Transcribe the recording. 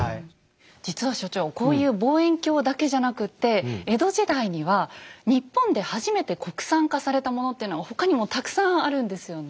実は所長こういう望遠鏡だけじゃなくって江戸時代には日本で初めて国産化されたものっていうのは他にもたくさんあるんですよね。